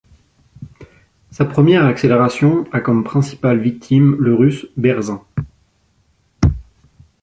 Sa première accélération a comme principal victime le Russe Berzin.